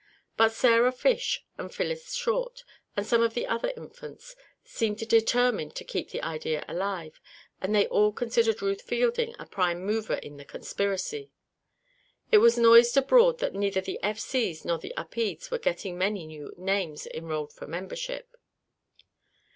But Sarah Fish and Phyllis Short, and some of the other Infants, seemed determined to keep the idea alive, and they all considered Ruth Fielding a prime mover in the conspiracy. It was noised abroad that neither the F. C.'s nor the Upedes were getting many new names enrolled for membership.